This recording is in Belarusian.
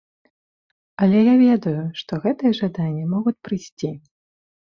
Але я ведаю, што гэтыя жаданні могуць прыйсці.